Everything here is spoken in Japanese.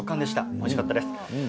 おいしかったです。